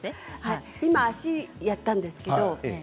今、足をやったんだけど。